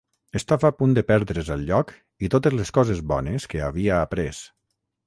Estava a punt de perdre's el lloc i totes les coses bones que havia après.